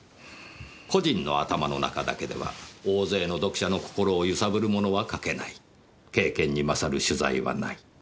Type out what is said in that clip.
「個人の頭の中だけでは大勢の読者の心を揺さぶるものは書けない」「経験に勝る取材はない」